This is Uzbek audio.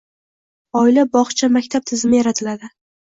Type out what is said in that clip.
«Oila – bog‘cha – maktab» tizimi yaratiladi